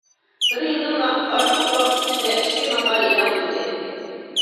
بىر يىلدىن ئارتۇق ۋاقىت ئىچىدە، ئىككى ماقالە ئېلان قىلدى.